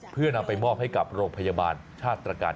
เพื่อนำไปมอบให้กับโรงพยาบาลชาติตรการ